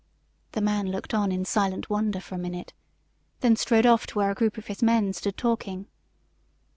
The man looked on in silent wonder for a minute, and then strode off to where a group of his men stood talking.